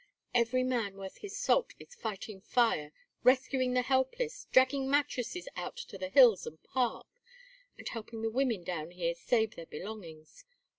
Every man worth his salt is fighting fire, rescuing the helpless, dragging mattresses out to the hills and Park, and helping the women down here save their belongings.